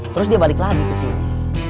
terus dia balik lagi ke sini